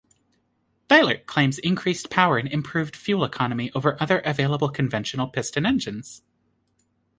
Thielert claims increased power and improved fuel economy over other available conventional piston engines.